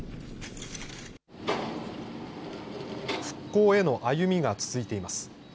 復興への歩みが続いています。